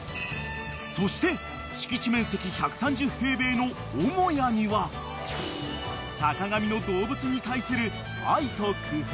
［そして敷地面積１３０平米の母屋には坂上の］